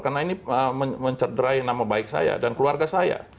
karena ini mencederai nama baik saya dan keluarga saya